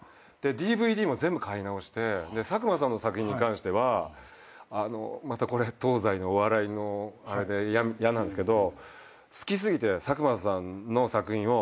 ＤＶＤも全部買いなおして佐久間さんの作品に関してはまたこれ東西のお笑いのあれで嫌なんすけど好き過ぎて佐久間さんの作品を。